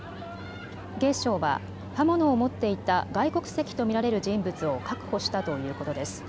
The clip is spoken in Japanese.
警視庁は刃物を持っていた外国籍と見られる人物を確保したということです。